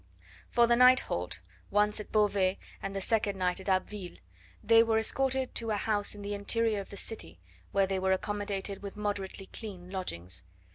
For the night halt once at Beauvais and the second night at Abbeville they were escorted to a house in the interior of the city, where they were accommodated with moderately clean lodgings.